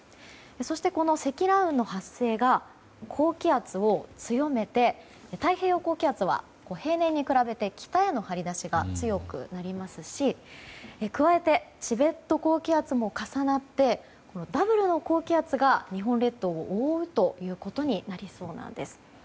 そして積乱雲の発生が高気圧を強めて太平洋高気圧は平年に比べて北への張り出しが強くなりますし、加えてチベット高気圧も重なってダブルの高気圧が日本列島を覆うということになりそうです。